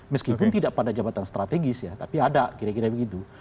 meskipun tidak pada jabatan strategis ya tapi ada kira kira begitu